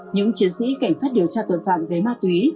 những chiến sĩ cảnh sát điều tra tội phạm về ma túy